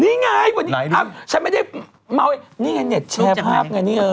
นี่ไงวันนี้ภาพฉันไม่ได้เมานี่ไงเน็ตแชร์ภาพไงนี่